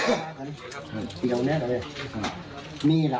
สุดแก่วนี้ก็เลย